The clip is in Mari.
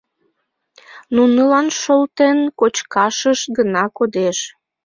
Нунылан шолтен кочкашышт гына кодеш.